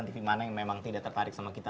tv mana yang memang tidak tertarik sama kita